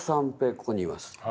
ここにいます。